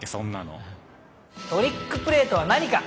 トリックプレーとは何か。